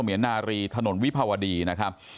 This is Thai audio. วัดสมียนรีถนนวิภาวดีนะครับ